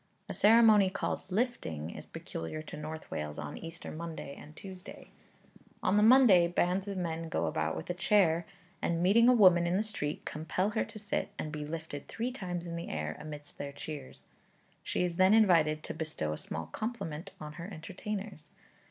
A ceremony called 'lifting' is peculiar to North Wales on Easter Monday and Tuesday. On the Monday bands of men go about with a chair, and meeting a woman in the street compel her to sit, and be lifted three times in the air amidst their cheers: she is then invited to bestow a small compliment on her entertainers.